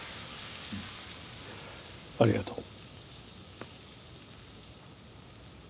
ありがとう。